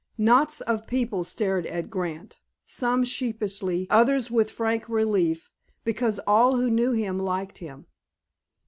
Knots of people stared at Grant, some sheepishly, others with frank relief, because all who knew him liked him.